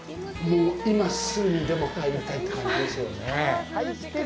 もう今すぐにでも入りたいって感じですよね。